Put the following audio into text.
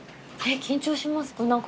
緊張します。